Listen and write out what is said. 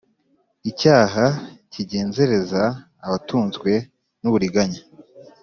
icyaha kigenzereza abatunzwe n’uburiganya.